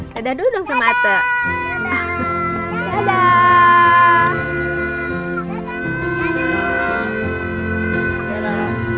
dadah dulu dong sama atta